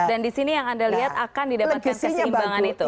dan di sini yang anda lihat akan didapatkan kesinggangan itu